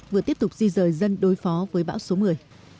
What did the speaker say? vừa tiếp tục di rời dân đối phó với bão số một mươi